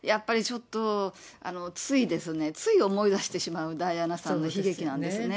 やっぱりちょっと、ついですね、つい思い出してしまうダイアナさんの悲劇なんですね。